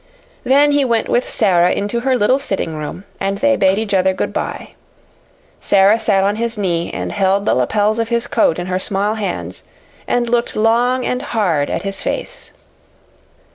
Then he went with Sara into her little sitting room and they bade each other good by. Sara sat on his knee and held the lapels of his coat in her small hands, and looked long and hard at his face.